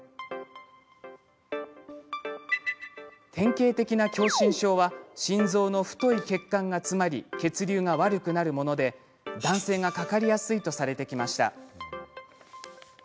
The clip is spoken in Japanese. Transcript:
典型的な狭心症は心臓の太い血管が詰まり血流が悪くなるもので男性がかかりやすいとされてきました。